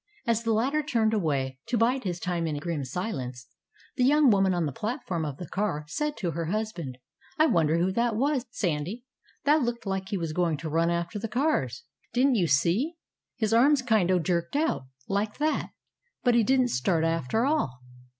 As the latter turned away, to bide his time in grim silence, the young woman on the platform of the car said to her husband, "I wonder who that was, Sandy, that looked like he was going to run after the cars! Didn't you see? His arms kind o' jerked out, like that; but he didn't start after all.